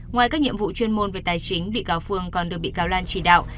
ngoài các nhiệm vụ chuyên môn về tài chính bị cao phương còn được bị cao lan trì đạo